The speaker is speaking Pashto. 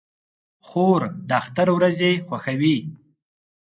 خور د اختر ورځې خوښوي.